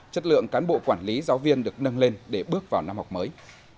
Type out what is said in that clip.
chất lượng cán bộ quản lý giáo viên được nâng lên để bước vào năm học mới